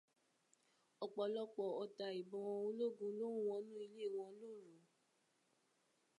Ọ̀pọ̀lọpọ̀ ọta ìbọn ológun ló ń wọnú ilé wọn lóru